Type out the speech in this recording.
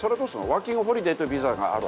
ワーキング・ホリデーというビザがある？